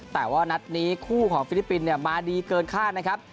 แต่ว่านัดนี้คู่ของฟิลิปปินส์มาดีเกินคาดนะครับ